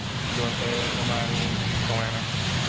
เอามาหรือ